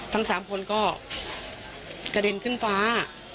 ทั้ง๓คนก็กระเด็นขึ้นฟ้า